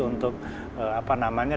untuk apa namanya